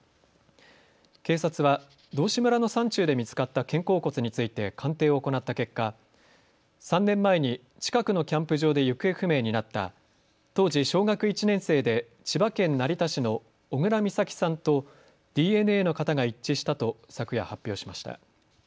警察は道志村の山中で見つかった肩甲骨について鑑定を行った結果３年前に近くのキャンプ場で行方不明になった当時小学１年生で千葉県成田市の小倉美咲さんとＤＮＡの型が一致したと昨夜発表しました。